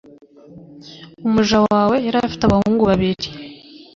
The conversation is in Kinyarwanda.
Umuja wawe yari afite abahungu babiri